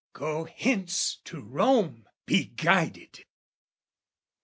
"Go hence to Rome, be guided!"